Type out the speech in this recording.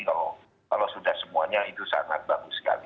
kalau sudah semuanya itu sangat bagus sekali